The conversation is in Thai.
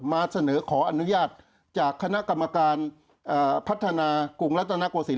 มาเสนอขออนุญาตจากคณะกรรมการพัฒนากรุงรัฐนาโกศิล